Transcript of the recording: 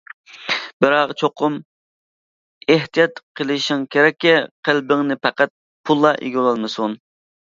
بىراق چوقۇم ئېھتىيات قىلىشىڭ كېرەككى قەلبىڭنى پەقەت پۇللا ئىگىلىۋالمىسۇن.